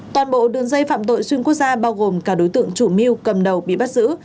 toàn bộ đường dây phạm tội xuyên quốc gia bao gồm cả đối tượng chủ mưu cầm đầu bị bắt giữ